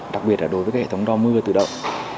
đặc biệt là đối với hệ thống đo mưa tự động